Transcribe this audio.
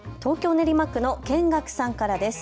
練馬区のケンガクさんからです。